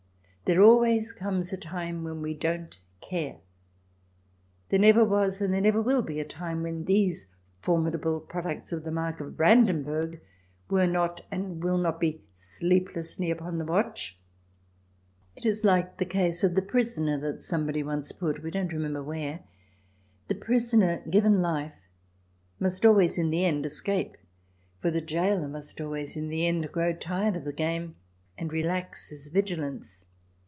There always comes a time when we don't care ; there never was and there never will be a time when these formidable products of the mark of Brandenburg were not and will not be sleeplessly upon the watch. It is like the case of the prisoner that somebody once put, we don't remember where. The prisoner, given life, must always in the end escape, for the gaoler must always in the end grow tired of the game and relax his vigilance.